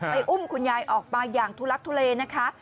อุ้มคุณยายออกมาอย่างทุลักทุเลนะคะ